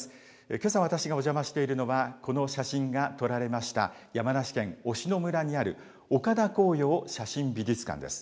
けさ私がお邪魔しているのは、この写真が撮られました、山梨県忍野村にある岡田紅陽写真美術館です。